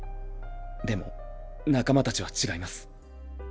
でも仲間たちは違います。